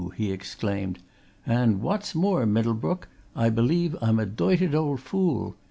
he exclaimed. "And what's more, Middlebrook, I believe I'm a doited old fool!